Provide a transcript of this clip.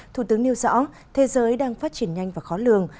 thủ tướng nêu rõ thế giới đang phát triển nhanh và khó lường